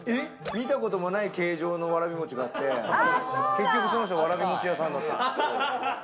見たことない形状のわらび餅あったことがあって、結局その人、わらび餅屋さんだった。